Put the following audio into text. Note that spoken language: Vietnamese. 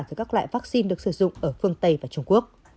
từ các loại vaccine được sử dụng ở phương tây và trung quốc